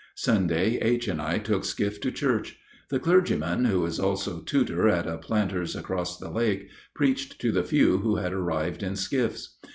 Sunday H. and I took skiff to church. The clergyman, who is also tutor at a planter's across the lake, preached to the few who had arrived in skiffs.